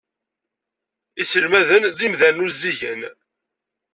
Iselmaden d imdanen uzzigen.